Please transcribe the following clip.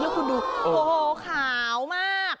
แล้วคุณดูโอ้โหขาวมาก